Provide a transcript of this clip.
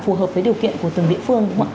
phù hợp với điều kiện của từng địa phương